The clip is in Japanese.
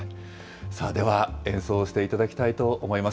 では、演奏していただきたいと思います。